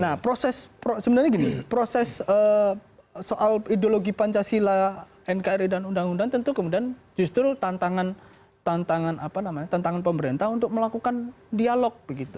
nah proses sebenarnya gini proses soal ideologi pancasila nkri dan undang undang tentu kemudian justru tantangan pemerintah untuk melakukan dialog